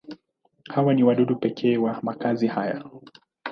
Hawa ni wadudu pekee wa makazi haya.